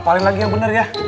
kalian lagi yang bener ya